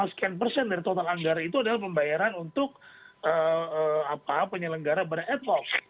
lima puluh empat sekian persen dari total anggaran itu adalah pembayaran untuk penyelenggara pada etos